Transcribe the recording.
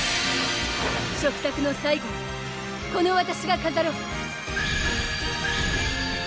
食卓の最後をこのわたしが飾ろう！